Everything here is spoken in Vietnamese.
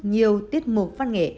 nhiều tiết mục văn nghệ